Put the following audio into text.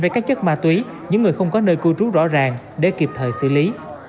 với các chất ma túy những người không có nơi cư trú rõ ràng để kịp thời xử lý